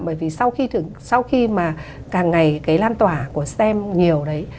bởi vì sau khi mà càng ngày cái lan tỏa của stem nhiều đấy